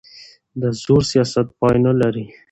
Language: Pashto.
د زور سیاست پای نه لري